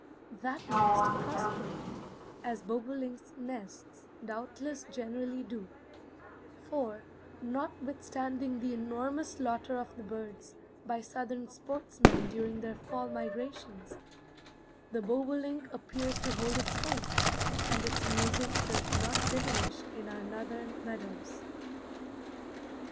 That nest prospered, as bobolinks' nests doubtless generally do; for, notwithstanding the enormous slaughter of the birds by Southern sportsmen during their fall migrations, the bobolink appears to hold its own, and its music does not diminish in our Northern meadows.